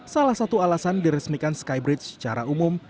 salah satu alasan diresmikan skybridge secara umum